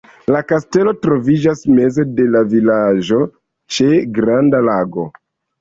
La kastelo troviĝis meze de la vilaĝo ĉe granda lago.